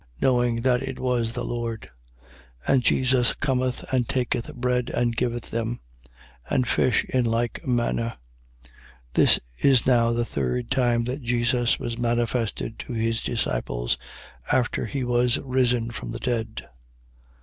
Knowing that it was the Lord. 21:13. And Jesus cometh and taketh bread and giveth them: and fish in like manner. 21:14. This is now the third time that Jesus was manifested to his disciples, after he was risen from the dead.